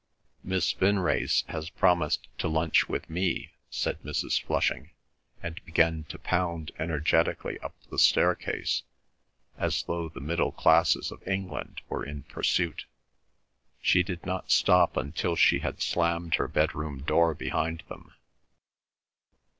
"Miss Vinrace has promised to lunch with me," said Mrs. Flushing, and began to pound energetically up the staircase, as though the middle classes of England were in pursuit. She did not stop until she had slammed her bedroom door behind them.